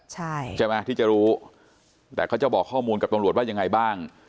ใช่ไหมที่จะรู้แต่เขาจะบอกข้อมูลกับตำรวจว่ายังไงบ้าง